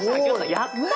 やった！